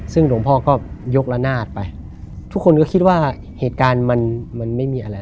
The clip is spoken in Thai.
ซึ่งหลวงพ่อก็ยกระนาดไปทุกคนก็คิดว่าเหตุการณ์มันมันไม่มีอะไร